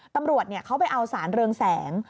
ตำรวจเขาไปเอาสารเรืองแสง